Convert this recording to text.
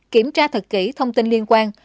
kiểm tra thật kỹ thông tin liên quan